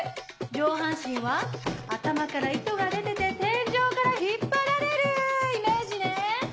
上半身は頭から糸が出てて天井から引っ張られるイメージね！